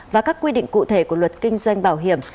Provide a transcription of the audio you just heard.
và các quy định cụ thể của luật kinh doanh bảo hiểm